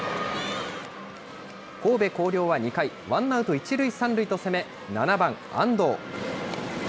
神戸弘陵は２回、ワンアウト１塁３塁と攻め、７番安藤。